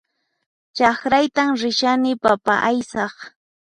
Chakraytan rishani papa aysaq